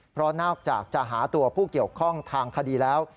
เพราะนอกจากจะหาตัวผู้เกี่ยวข้องทางคดีแล้ว